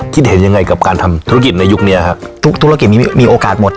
คิดเห็นยังไงกับการทำธุรกิจในยุคนี้ครับทุกธุรกิจนี้มีโอกาสหมด